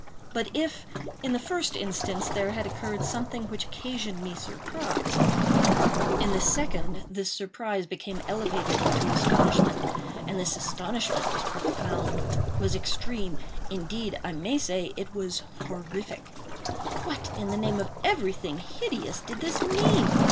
But if, in the first instance, there had occurred something which occasioned me surprise, in the second, this surprise became elevated into astonishment; and this astonishment was profound—was extreme—indeed I may say it was horrific. What, in the name of everything hideous, did this mean?